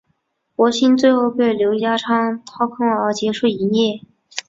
博新最后被刘家昌掏空而结束营业。